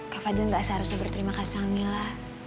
kak fadil gak seharusnya berterima kasih sama mila